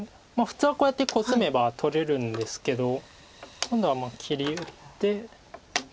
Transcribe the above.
普通はこうやってコスめば取れるんですけど今度は切り打って。